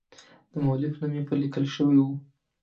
د مؤلف نوم یې پر لیکل شوی و.